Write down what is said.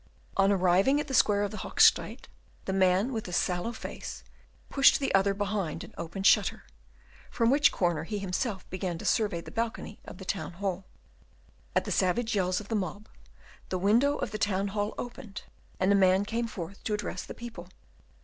On arriving at the square of the Hoogstraet, the man with the sallow face pushed the other behind an open shutter, from which corner he himself began to survey the balcony of the Town hall. At the savage yells of the mob, the window of the Town hall opened, and a man came forth to address the people.